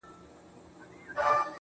زه د یویشتم قرن غضب ته فکر نه کوم.